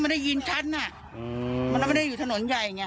มันได้ยินชัดมันไม่ได้อยู่ถนนใหญ่นี้